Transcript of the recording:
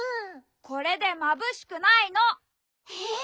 これでまぶしくないの！えっ？